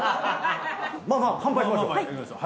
まあまあ乾杯しましょう。